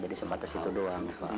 jadi sebatas itu doang